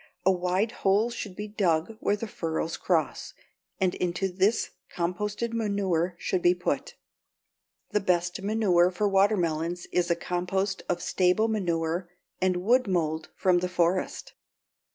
A wide hole should be dug where the furrows cross, and into this composted manure should be put. The best manure for watermelons is a compost of stable manure and wood mold from the forest.